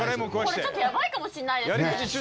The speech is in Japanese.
これちょっとやばいかもしれないですね